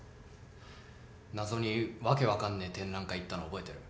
謎に訳分かんねえ展覧会行ったの覚えてる？